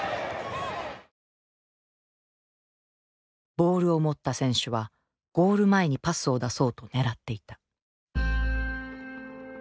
ボールを持った選手はゴール前にパスを出そうと狙っていた。